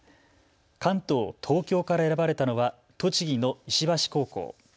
関東・東京から選ばれたのは栃木の石橋高校。